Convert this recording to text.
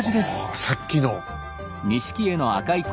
あさっきの。